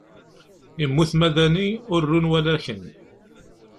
Yemmut Madani, ur run walaken.